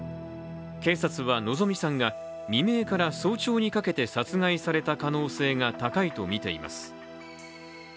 警察は希美さんが未明から早朝にかけて殺害された可能性が高いとみています。